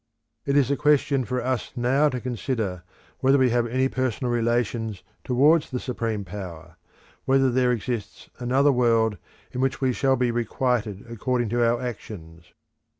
It is a question for us now to consider whether we have any personal relations towards the Supreme Power; whether there exists another world in which we shall be requited according to our actions.